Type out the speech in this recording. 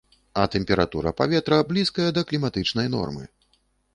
А тэмпература паветра блізкая да кліматычнай нормы.